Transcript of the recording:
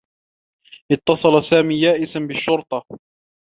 اتّصل سامي يائسا بالشّرطة.